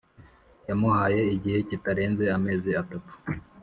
yamuhaye igihe kitarenze amezi atatu .